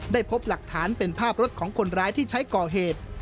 พบหลักฐานเป็นภาพรถของคนร้ายที่ใช้ก่อเหตุ